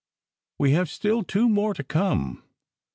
"We have still two more to come.